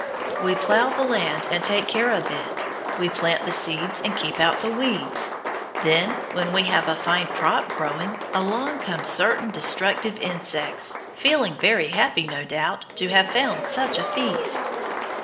We plough the land and take care of it, we plant the seeds and keep out the weeds. Then, when we have a fine crop growing, along come certain destructive insects, feeling very happy, no doubt, to have found such a feast.